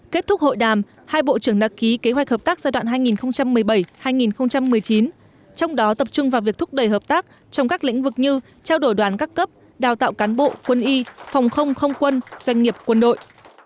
kết thúc hội đàm hai bộ trưởng đã ký kế hoạch hợp tác giai đoạn hai nghìn một mươi bảy hai nghìn một mươi chín trong đó tập trung vào việc thúc đẩy hợp tác trong các lĩnh vực như trao đổi đoàn các cấp đào tạo cán bộ quân y phòng không không quân doanh nghiệp quân đội